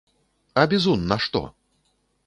А бізун на што?